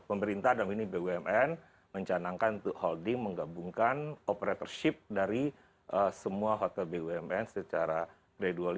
pemerintah dalam ini bumn mencanangkan untuk holding menggabungkan operatorship dari semua hotel bumn secara gradual